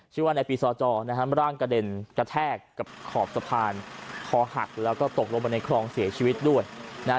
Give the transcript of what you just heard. ชื่อว่าในปีซอจอนะฮะร่างกระเด็นกระแทกกับขอบสะพานคอหักแล้วก็ตกลงไปในคลองเสียชีวิตด้วยนะฮะ